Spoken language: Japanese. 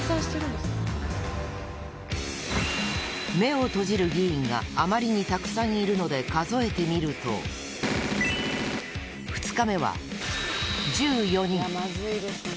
目を閉じる議員があまりにたくさんいるので数えてみると、２日目は１４人。